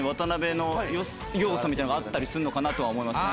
あったりするのかなとは思いましたね。